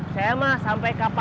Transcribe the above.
saya mah sampai kapal